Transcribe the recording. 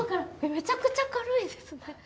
めちゃくちゃ軽いですね。